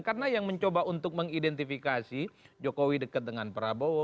karena yang mencoba untuk mengidentifikasi jokowi dekat dengan prabowo